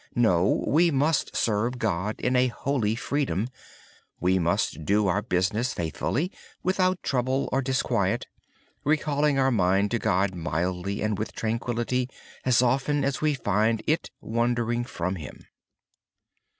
No, we must serve God in a holy freedom. We must work faithfully without trouble or disquiet, recalling our mind to God mildly and with tranquillity as often as we find it wandering from Him.